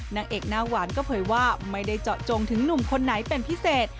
นางเอกหน้าหวานก็เผยว่าไม่ได้เจาะจงถึงหนุ่มคนไหนเป็นพิเศษ